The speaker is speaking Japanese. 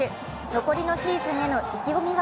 残りのシーズンへの意気込みは？